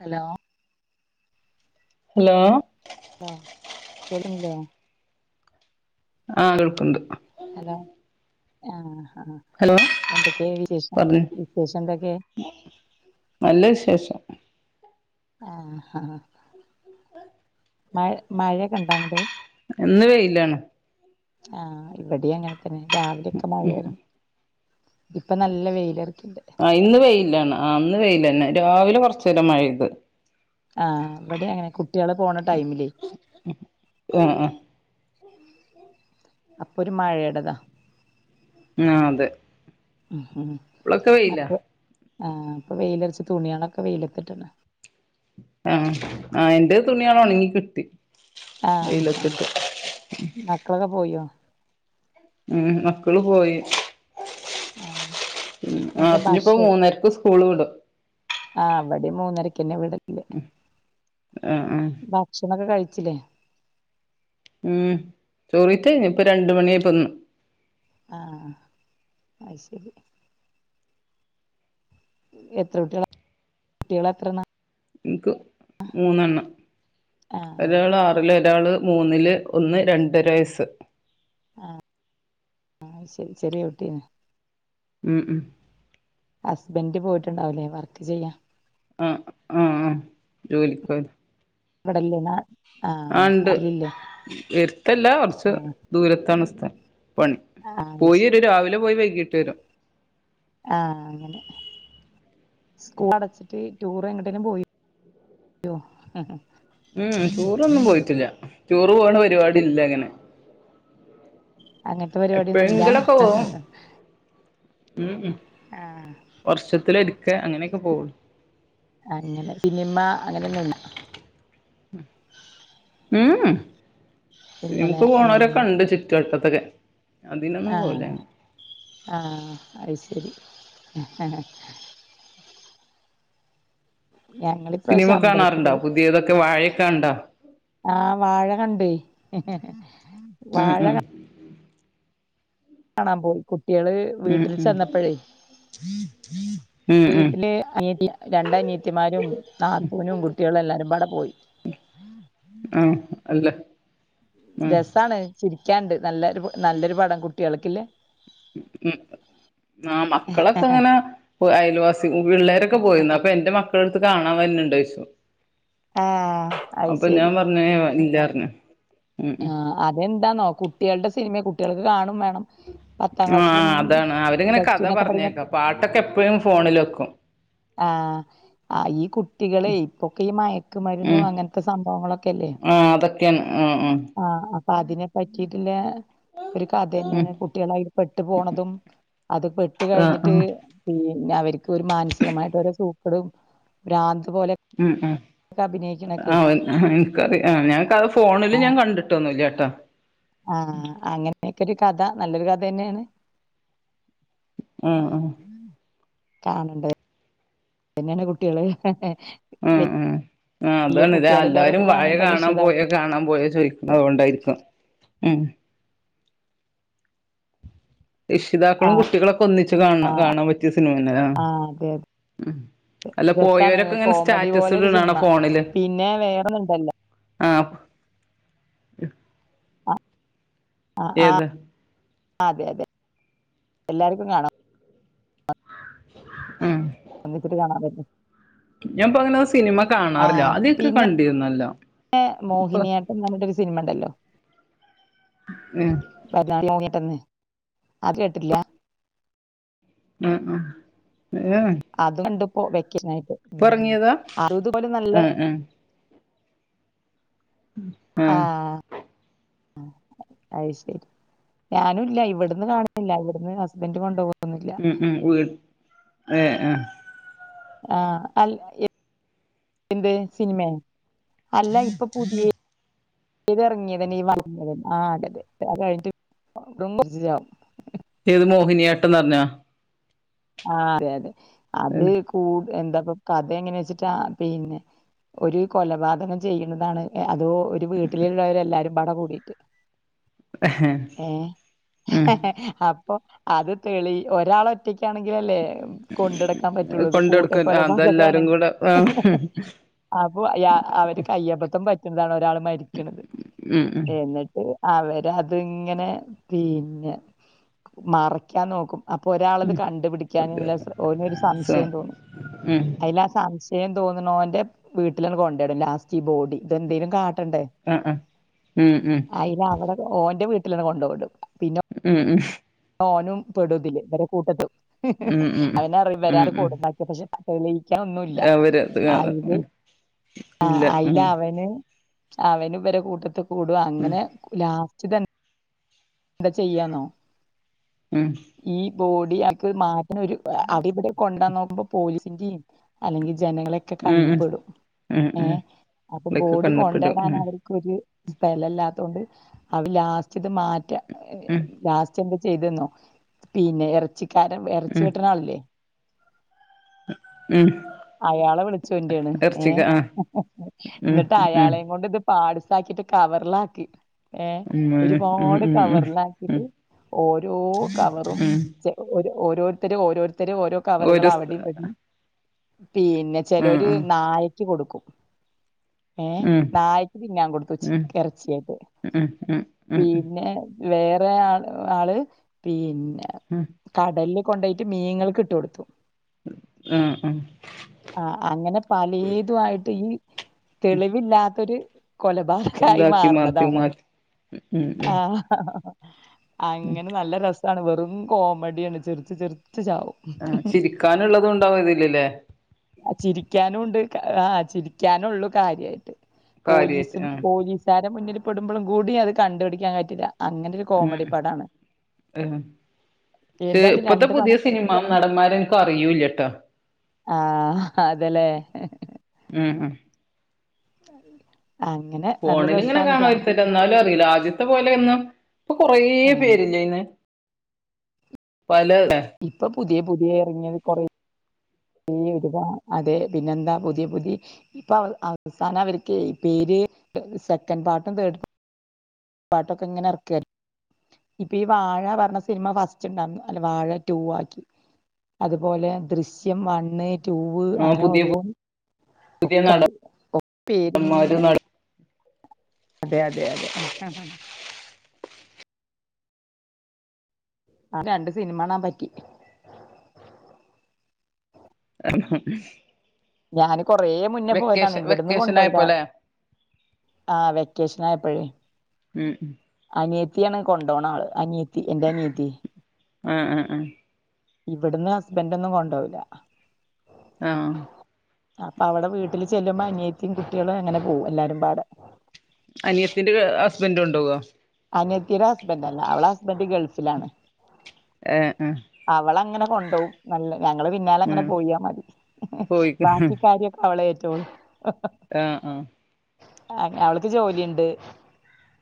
Hello hello ലോ കേൾക്ക്ന്നില്ലേ ആ കേൾക്ക്ണ്ട് ഹലോ ആ ആ ഹലോ എന്തൊക്കെയാ വിശേഷം പറഞ്ഞോ വിശേഷം എന്തൊക്കെ നല്ല വിശേഷം ആ ആ മഴ മഴക്കെണ്ടാ ങ്ങട് ഇന്ന് വെയിലാണ് ആ ഇവിടേയും അങ്ങനെ ത ന്നെ രാവിലെക്കെ മഴയാരുന്ന് ഇപ്പൊ നല്ല വെയി [inaudible] ആ ഇന്ന് വെയി - ലാണ് അന്ന് വെയിലന്നെ രാവിലെ കൊറച്ചേരം മഴ ണ്ട് ആ വിടെ ങ്ങനെ കുട്ടികള പോണു - ആ ആ അപ്പൊ ഒരു മഴെടതാ ആ അതെ ഇപ്പളൊക്കെ വെയിലാ അതെ ആ ഇപ്പൊ വെയിലടിച്ച തുണിയളൊക്കെ വെയിലത്തിട്ടാണ ആ ആ എന്റെ തുണിയള് ഒണങ്ങി കിട്ടി. ആ ആ വെയിലത്തിട്ട് മക്കളൊക്കെ പോയോ ഉം മക്കള് പോയി ആ ഉം ആ ഞ്ഞിപ്പോ മൂന്നരക്ക് സ്കൂള് വിടും ആ വെടിം മൂന്നരക്കന്നെ വിടൽ ഉം ആ ആ ച്ചിലെ ഉം ചോറിറ്റയ്ഞ്ഞ് ഇപ്പ രണ്ട് മണിആയപ്പംന്ന് ആഹ് അയ്ശെരി എത്ര കുട്ടികള കുട്ടികളെത്രെണ്ണ എനിക് മൂന്നെണ്ണം ആഹ് ഒരാള് ആറില് ഒരാള് മൂന്നില് ഒന്ന് രണ്ടരവയസ്സ് ആഹ് ആ ശെരി ചെറിയ കുട്ടീന്ന് ഉം ഉം. ഹസ്ബൻഡ് പോയിട്ടുണ്ടാവല്ലേ വർക്ക് ചെയ്യാൻ ആഹ് ആഹ് ആ ജോലിക്ക് പോയ്‌ ഇവിടല്ലേ നാ ആ ആഹ് ഉണ്ട് നാട്ടിലില്ലേ എര്ത്തല്ല കുറച്ച് ആഹ് ദൂരത്താണ് സ്ഥലം പണി ആഹ് ശരി പോയിരു രാവിലെ പോയി വൈകിട്ട് വരും ആഹ് അങ്ങനെ സ്കൂൾ അടച്ചിട്ട് ടൂർ എങ്ങട്ടേലും പോയി യോ ഉം ടൂർ ഒന്നും പോയിട്ടില്ല ടൂർ ടൂർ പോണ പരിപാടി ഇല്ല അങ്ങനെ അങ്ങനത്തെ പരിപാടിയൊന്നുല്ലാ എപ്പോഴെങ്കിലൊക്കെ പോവും ഉം ഉം ആഹ് വർഷത്തിലൊരിക്കെ അങ്ങനെയൊക്കെ പോവുള്ളൂ അങ്ങനെ സിനിമ അങ്ങനോന്നുമില്ല ഉം ഉം ഇല്ലല്ലേ സിനിമക്ക് ഉം പോണവരൊക്കെ ഉണ്ട് ചുറ്റുവട്ടത്ത് അപ്പറത്തൊക്കെ ആഹ് ആഹ് അത് ശരി ഹാ ഹാ ഞങ്ങൾ സിനിമ ഇപ്രാവശ്യം അമ്പലത്തില് കാണാറുണ്ടോ പുതിയതൊക്കെ വാഴയൊക്കെ കണ്ടോ ആ വാഴ കണ്ടേയ് ഉം ഉം കാണാൻ പോയി കു കുട്ട്യാള് ഉം വീട്ടിൽ ഉം ചെന്നപ്പഴേ ഉം ഉം വീട്ടില് അനിയ രണ്ട അനിയീത്തിമാരും നാത്തൂനും കുട്ടികളും എല്ലാരും കൂടെ പോയി ആ അല്ല ഉം രസാണ് ചിരിക്കാന്ണ്ട് നല്ലൊരു നല്ലൊരു പടം കുട്ടികൾക്കില്ലേ മ് ആഹ് മക്കളൊക്കെ അങ്ങനെ അയൽവാസി പിള്ളേരൊക്കെ പോയിന് അപ്പൊ എന്റെ മക്കൾ എടുത്ത് കാണാൻ വന്ന്ണ്ടോന്ന് ചോയിച്ചു ആഹ് അയി ശരി ഇല്ല പറഞ്ഞു ആഹ് അതെന്താന്നോ കുട്ടികളുടെ സിനിമ കു കുട്ടികൾക്ക് കാണും വേ ണം പത്താം ആ ക്ലാസ്സിലും അതാണ് അവരിങ്ങനെ കഥ പ്ലസ്സ്ടുവിനൊക്കെ പറഞ്ഞേക്കാ പഠിക്കുന്ന പാട്ടൊക്കെ എപ്പഴും ഫോണിൽ വെക്കും ആഹ് ഈ കുട്ടികളെ ഇപ്പോക്കെ ഈ മയക്കുമരുന്നു ഉം അങ്ങനത്തെ സംഭവങ്ങളൊക്കെ അല്ലേ. ആ അതൊക്കെയാണ് ആ ആ അപ്പോ അതിനെ പറ്റിട്ട്ല്ലേ ഒരു കഥ ഉം തന്നെയാണ് കുട്ടികളയിൽ പെട്ടു പോണതും അത് പെട്ട് ആ ആ കഴിഞ്ഞിട്ട് പിന്നെ അവർക്ക് ഒരു മാനസികമായിട്ട് ഓരോ സു ക്ടും ഭ്രാന്ത് പോലെ ഉം ഉം അഭിനയിക്കണൊക്കെ ആ ഇൻക്കറിയാം ഞാൻ കഥ ഫോണിൽ ഞാൻ കണ്ടിട്ടൊന്നു ല്ലട്ടോ ആഹ് അങ്ങനെയൊക്കെ ഒരു കഥ നല്ലൊരു ക ഥെന്നെയാണ്. ആഹ് ആഹ് കാണണ്ടെ തന്നെയാണ് കുട്ടികള് ആഹ് ആഹ് ആ വലിയ അതാണ് ല്ലേ എല്ലാരും കുട്ടികളില്ലോരൊക്കെ വാഴ കാണണ്ട കാണാൻ പോയോ രക്ഷിതാക്കൾ കാണാൻ പോയോ ചോ അതുകൊണ്ടായിരിക്കും ഉം ആ രക്ഷിതാക്കളും കുട്ടികളൊക്കെ ഒന്നിച്ചു കാണണം കാണാൻ പറ്റിയ സിനിമതന്നെ ആ അതെ അതെ ഉം അല്ല രസാണ് പോയവരൊക്കെ ഇങ്ങനെ കോമഡി സ്റ്റാറ്റസ് പോലെ ഒരു ഇടണണ കാണ സിനിമ ഫോണില്. പിന്നെ വേറൊന്നുണ്ടല്ലോ ആഹ് ആ ആ ഏതാ ആ അതെ അതെ എല്ലാർക്കും കാണാം. ഉം ഒന്നിച്ചി [unintelligible] കാണാതെയല്ലേ. ഞാൻപ്പൊ അങ്ങനെ സിനിമ കാണാറില്ല ആദ്യമൊക്കെ പിന്നെ കണ്ടിരുന്നല്ലോം ഇപ്പോ. മോഹിനിയാട്ടം എന്ന് പറഞ്ഞിട്ടൊരു സിനിമ ഉണ്ടല്ലോ. ഏ [unintelligible] അത് കേട്ടില്ല. ഉം ഏയ് ഓ വെക്കേഷൻ ആയി. ഇപ്പ ഉറങ്ങിയതാ ആഹ് ആ. ആ ആഹ് അത് ശരി ഞാനുംഇല്ല ഇവിടുന്ന് കാണുന്നില്ല ഹസ്ബൻഡ് കൊണ്ടു പോവും. ഉം ഉം വ് ഏ എ ആ അൽ എ എന്ത് സിനിമേ അല്ല ഇപ്പൊ പുതിയേ- ഇത് ഇറങ്ങിയതന്നെ [unintelligible] ആ അതെതെ അത് കഴിഞ്ഞിട്ട് [unintelligible] ഏത് മോഹിനിയാട്ടന്നറഞ്ഞാ ആ അതെ അതെ അതേ കൂ എന്താപ്പൊ കഥ എങ്ങനേച്ചിട്ടാ പിന്നെ ഒരു കൊലപാതകം ചെയ്യ്ന്നതാണ് എ അതോ ഒരു വീട്ടില്ള്ളവരെല്ലാരുംപാടെ കൂടിട്ട് ഏ ഉം പൊ അത് തെളി ഒരാള് ഒറ്റയ് [unintelligible] ല്ലേ കൊണ്ടടക്കാൻ പറ്റുള്ളൂ ത് കൂട്ട കൊണ്ടടുക്കൻ ആ കൊലപാതകാണ് അതെല്ലാരും കൂടെ ആ അവര് കയ്യബദ്ധം പ എന്താണ് ഒരാള് മരിക്ക്ണ്ത് ഉം ഉം എന്നിട്ട് അവര് അത്ങ്ങനെ പിന്നെ മറക്കാൻ നോക്കും അപ്പൊ ഒരാൾ- ഓക്കെ കണ്ടുപിടിക്കാനുള്ള ഓനൊരു സ സംശയം തോന്നും ഉം അതിന ആ സംശ യം തോന്ന്നോൻ്റെ വീട്ടിലാണ്ട് കൊണ്ടേടും ലാസ്റ്റ് ഈ ബോഡിഎന്തെലും കാ ട്ടണ്ടേ ആ ആ ഉം ഉം [inaudible] അയിലാ അവടെ ഓൻ്റെ വീട്ടി - ഇല്ല [unintelligible] കൊണ്ടോടും പിന്നെ ഉം ഉം ഓനും പെടുതില് ഇവരെ കൂട്ടത്ത് ഉം [inaudible] അവനറിയില്ല ഉം ഉം ഇവരാണ് ഉം കൊടുന്നാക്കിയേ പക്ഷെ- [unintelligible] വേറെ ഒന്നൂല്ല അവര് അത് അതിന്നു ഉം ഇല്ല ഉം അവനു - അവനുവരെ കൂട്ടത്തു കൂടു ഉം അങ്ങനെ ലാസ് ഇല്ല എന്താ ചെയ്യാന്നോ? ഉം ഈ ബോഡി ആക്ക് മാറ്റനൊരു അതിപടെ കൊണ്ടാൻ നോക്കുമ്പോ പോലീസിൻ്റീം അല്ലെങ്കി ജനങ്ങളെക്കെ ഉം ഉം കണ്ണ്പ്പെടും ഉം ഏ ഉം അപ്പൊ ഇതൊക്കെ ബോഡി കണ്ണുപ്പെടും ഉം കൊണ്ടേടാനവർക്കൊരു സ്പലല്ലാത്തോണ്ട് അവിലാസ്സ്റ്റിത് മാറ്റ ഉം [unintelligible] ലാസ്റ്റെന്ത് ചെയ്ത്‌ന്നോ പിന്നേ എറച്ചി കാരം എറച്ചി ഉം വെട്ട്ണാളില്ലേ ഉം അയാളെ വിളിച്ചൊൻ്റാണ് ഏ ഇറച്ചിക്ക ആ ഉം ന്നിട്ട് ഉം അയാളേം കൊണ്ട് ഇത് പാഡ്‌സ് പാക്കിട്ട് കവറിലാക്കി. ഏഹ് ഉം ഉം ഒരുപാട് ഉം ഉം കവറിലാക്കിട്ട് ഉം ഓരോ കവറും ഉം ചെ ഒരു ഓരോരുത്തര് ഓരോരു ഇത്തരി ഓരോ കവറുകൾ ഒരു അവിടെയും വര ഉം പിന്നെ ഉം ചെലൊര് ഉം നായ ക്കി കൊടുക്കും. ഏഹ് നായക്ക് തിന്നാൻ കൊടുത്തുച്ചി ഉം ഇറച്ചിയായിട്ട് ഉം ഉം ഉം പിന്നെ വേറെ ആ ആള് പി ഉം കടല് കൊണ്ടോയിറ്റ് മീങ്ങൾക്ക് ഇട്ടു കൊടുത്തു. ആഹ് ആഹ് ആഹ് അങ്ങനെ പലേതു ആയിട്ട് ഈ തെളിവില്ലാത്തൊരു കൊലപാതകായി ഇതാക്കി മാറ്റി മാറുന്നതാണ്. മാറ്റി ഉം ഉം ആഹ്. അആഹ്. അങ്ങനെ നല്ല രസ് താണ് വെറും കോമഡിയാണ്. ചെറ്ച്ച് ചെറ് ആഹ് ചിരിക്കാനുള്ളതും ഉണ്ടാവുംതില്ലല്ലേ? ചിരിക്കാനുണ്ട് കാ ആഹ് ചിരിക്കാനുള്ള് കാര്യയിട്ട്. കാര്യായിട്ട് പോലീസും ആഹ് പോലീസാര മുന്നില് പടുമ്പളും കൂടി അത് കണ്ടുടിക്കാൻ പറ്റില്ല. അങ്ങനെ ഒരു ഉം കോമഡി പടാണ് ഉം ഷേ എന്തായാലും ഇപ്പത്തെ രണ്ട് പുതിയ പടം സിനിമാ നടന്മാരനിക്കും അറിയൂല്യട്ടോ. ആഹ്. അതെല്ലെ. ഉം ക്കറീല ഫോണില് ഇങ്ങനെ കാണാ [unintelligible] ന്നാലും അറീല്ല ആദ്യത്തെ പോലെ ഒന്നും ഇപ്പൊ കൊറേ ആ പേരില്ലേ ന്ന് ഇപ്പം പുതിയ പുതിയ ഇറങ്ങിയത് കൊറേ ഈ ഇട്‌ത അതെ പിന്നെന്താ പുതിയ പുതി ഇപ്പൊ അത് [unintelligible] പേര് സെക്കൻഡ് പാർട്ടും തേർഡ് പാ പാട്ടൊക്കെങ്ങനെ ഇറക്ക ഇപ്പൊ ഈ വാഴ പറഞ്ഞ സിനിമ ഫസ്റ്റ്ണ്ടാറ്ന്നു അല്ല വാഴ ടൂ ആക്കി അതുപോലെ ദൃശ്യം വണ്ണ് ടൂവ് അങ്ങനെ പുതിയ ഓരോ പുതിയ ഒക്ക ഒ നടന്മാര് പേരിങ്ങനെ നട അതെ അതെ അതെ ആ രണ്ട് സിനിമാണാ പറ്റി [inaudible] ഞാന് കൊറേ മുന്നെ പോയതാണേ വെക്കേഷൻ ഇവിടുന്ന് വെക്കേഷൻ കൊണ്ടൊവൂല ആയപ്പോല്ലെ ആ വെക്കേഷൻ ന്നായപ്പഴേ ഉം ഉം അനിയത്തിയാണ് കൊണ്ടോണാള് അനിയ എൻ്റെ അനിയത്തി ആ ആ ആ ഇവിടുന്ന് ഹസ്ബൻഡ് ഒന്നും കൊണ്ടോവൂല ആ അപ്പൊ അവടെ വീട്ടില് ചെല്ലുമ്പോ അനിയത്തിം കുട്ടീയെളും അങ്ങനെ പോവും എല്ലാരും പാടെ ബൻഡ് കൊണ്ടാേവോ അനത്തിയുടെ ഹസ്ബൻഡല്ല അവളെ ഹസ്ബൻഡ് ഗൾഫിലാണ് ഏഹ് ആഹ് അവളങ്ങനെ കൊണ്ടോവും നല്ല ഞങ്ങള് പിന്നാല അങ്ങനെ ആഹ് പോയാ മതി ബാക്കി കാര്യക്കെ അവളേ [unintelligible] ആ ആ ആ അവൾക്ക് ജോലിണ്ട്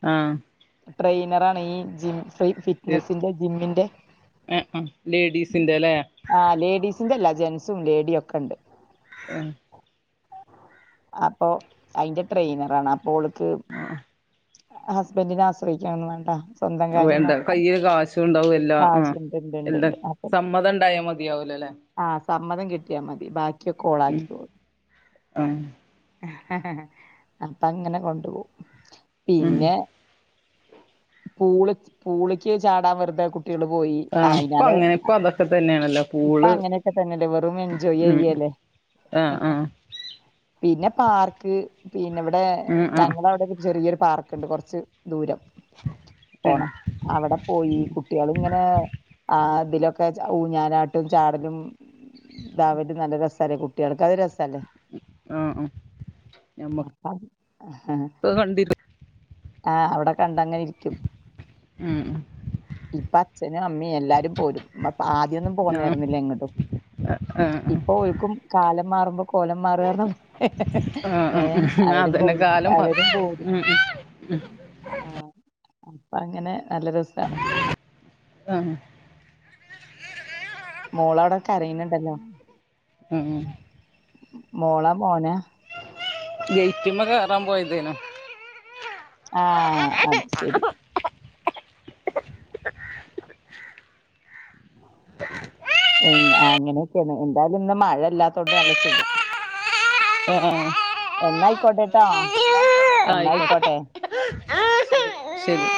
ആ ട്രെയിനറാണ് ഈ ജി ഫ്രീ ഫിറ്റ്നസിന്റെ ജിമ്മിന്റെ ആഹ് ആഹ് ലേഡീസിന്റെ അല്ലേ ആ ലേഡീസിന്റെല്ല ജെൻസും ലേഡിയൊക്കെണ്ട് ആ അപ്പൊ അയിന്റെ ട്രെയിനറാണ് ഓൾക്ക് ഹസ്ബൻഡിനെ ആശ്രയിക്കാനൊന്നും വേണ്ട സ്വന്തം കാര്യം വേണ്ട നോക്കാം കയ്യില് കാശും ണ്ടാവും എല്ലാ ആ കാശുണ്ട് ഉണ്ട് ഉണ്ട് എല്ലാ ഉണ്ട് അപ്പൊ സമ്മതണ്ടായാ മതിയാവൂലലേ മ്മതം കിട്ടിയാ മതി ബാ ഉം ആ ഹ ഹ ഹ ഹ അപ്പ അങ്ങനെ കൊണ്ടു പോവും ഉം പിന്നെ പൂള് പൂളിക്കി ചാടാൻ വെറുതെ കു കുട്ടികള് പോയി ആഹ് ഇപ്പ അയിതിനല് അങ്ങനെ ഇപ്പ അതൊക്കെ തന്നെയാണല്ലോ ഇപ്പൊ പൂള് അങ്ങനെയൊക്കെ തന്നെല്ലേ വെറും എൻജോയ് ഉം ചെയ്യല്ലേ ആഹ് ആഹ് പിന്നെ പാർക്ക് പിന്നെ ഇവിടെ ഉം ആഹ് ഞങ്ങടെ അവിടെ ചെറിയൊ പാർക്കുണ്ട് കുറച്ച് ദൂരം ആഹ് പോണം അവിടെ പോയി കുട്ടികൾ ഇങ്ങനെ ആ ഇതില ഒക്കെ ഊഞ്ഞാനാട്ടും ചാടലും ദാ വര് നല്ല രസ കുട്ടികൾക്ക് അത് രസല്ലേ ആ ആ ഞമ്മ അപ്പ കണ്ടി [unintelligible] ആ അവിടെ കണ്ടങ്ങനെ ഇരിക്കും ഉം ഇപ്പൊ അച്ഛനും അമ്മിയ എല്ലാരും പോരും ആദ്യൊന്നും ആഹ് പോന്നരുന്നില്ല എങ്ങോട്ടും ആഹ് ഇപ്പൊഓര്ക്കും കാല മാറ്മ്പോ കോല ആഹ് ഏ ആഹ് അവരും അതന്നെ പോലും കാലം മാറി അവരും പോരും ഉം ഉം ആ അപ്പ അങ്ങനെ നല്ല രസമാണ് ആഹ് മോള അവിടെക്കെ കരയുന്നുണ്ടല്ലോ ആ മോള മോനാ ഗയിറ്റമ്മ കേയറാൻ പോയതേനു ആ അത് ശരി ഉ അങ്ങനെയൊക്കെയന്ന് എന്തായാലും ഇന്ന് മഴ ഇല്ലാത്ത കൊണ്ട് നല്ല സുഖം ഓ എന്നനായിക്ക കൊട്ടേട്ടോ ആ ആയിക്കോട്ടെ ശരി